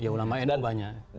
ya ulama nu banyak